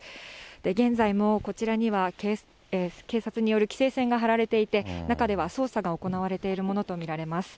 現在もこちらには警察による規制線が張られていて、中では捜査が行われているものと見られます。